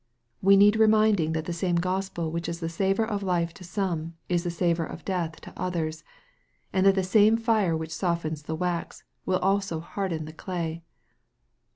We need reminding that the same Gospel which is the savor of life to some, is the savor of death to others, and that the same fire which softens the wax will also harden the clay.